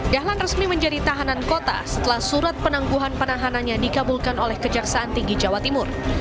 dahlan resmi menjadi tahanan kota setelah surat penangguhan penahanannya dikabulkan oleh kejaksaan tinggi jawa timur